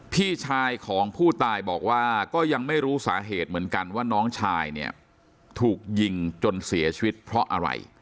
พี่ชายของผู้ตายบอกว่าก็ยังไม่รู้สาเหตุเหมือนกันว่าน้องชายเนี่ยถูกยิงจนเสียชีวิตเพราะอะไร